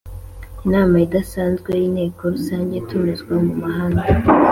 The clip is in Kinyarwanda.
Inama idasanzwe y Inteko Rusange itumizwa mu mamahanga